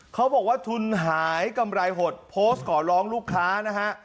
เขาบอกว่าทุนหายกำไรหดโพสต์ขอร้องลูกค้านะฮะ